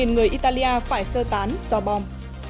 năm mươi bốn người italia phải sơ tán do bom